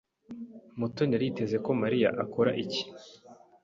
Mutoni yari yiteze ko Mariya akora iki?